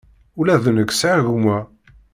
Ula d nekk sɛiɣ gma.